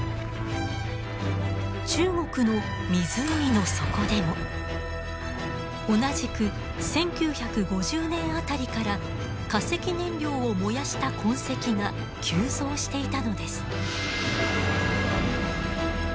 中国の湖の底でも同じく１９５０年辺りから化石燃料を燃やした痕跡が急増していたのです。